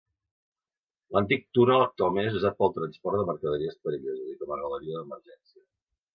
L'antic túnel actualment és usat pel transport de mercaderies perilloses i com a galeria d'emergència.